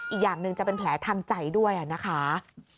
อีกอย่างหนึ่งจะเป็นแผลทางใจด้วยนะคะ